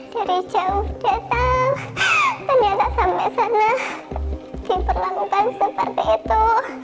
dari jauh datang ternyata sampai sana diperlakukan seperti itu